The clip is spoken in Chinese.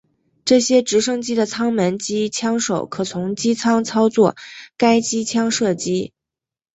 这些直升机的舱门机枪手可从机舱操作该机枪射击。